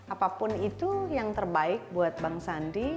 apapun itu yang terbaik buat bang sandi